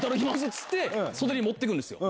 っつって袖に持ってくんですよ。